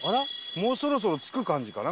もうそろそろ着く感じかな？